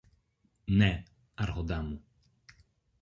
Ναι, Άρχοντα μου.